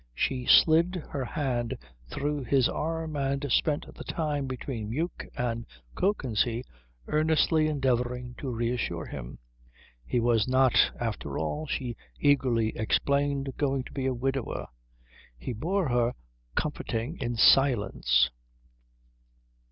She slid her hand through his arm and spent the time between Meuk and Kökensee earnestly endeavouring to reassure him. He was not, after all, she eagerly explained, going to be a widower. He bore her comforting in silence.